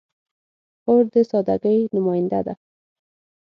خور د سادګۍ نماینده ده.